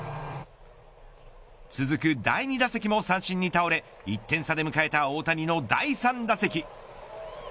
続く第２打席も三振に倒れ１点差で迎えた大谷の第３打席。